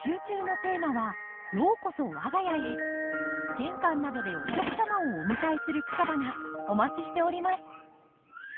玄関などでお客様をお迎えする草花お待ちしております。